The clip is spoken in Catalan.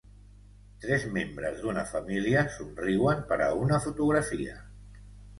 Tres membres d'una família somriuen per a una fotografia.